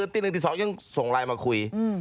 ติดหนึ่งติดสองยังส่งไลน์มาคุย